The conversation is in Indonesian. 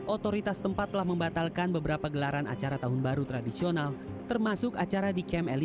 otoritas tempat telah membatalkan beberapa gelaran acara tahun baru tradisional termasuk acara di camp eli